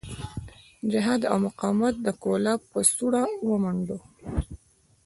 جهاد او مقاومت د کولاب په سوړه ومانډه.